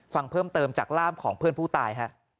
ฟังเพิ่มเติมจากร่ามของเพื่อนผู้ตายฮะ